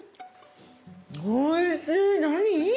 おいしい何？